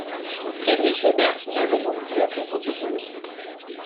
Friedrich Ebert n'avait donc plus aucune confiance en lui.